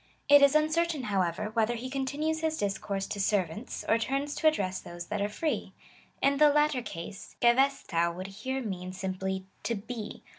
"' It is uncertain, however, whether he continues his discourse to sen^ants, or turns to address those that are free. In the latter case, jeveaOac would here mean simply to be.